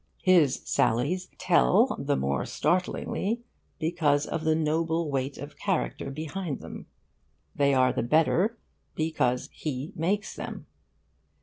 His sallies 'tell' the more startlingly because of the noble weight of character behind them: they are the better because he makes them.